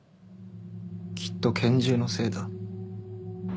きっと拳銃のせいだ。